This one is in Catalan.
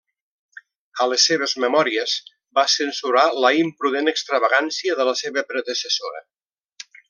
A les seves memòries va censurar la imprudent extravagància de la seva predecessora.